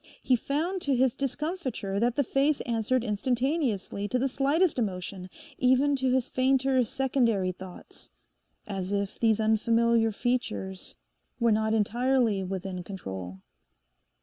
He found to his discomfiture that the face answered instantaneously to the slightest emotion, even to his fainter secondary thoughts; as if these unfamiliar features were not entirely within control.